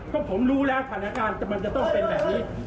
เพราะผมรู้แล้วสถานการณ์มันจะต้องเป็นแบบนี้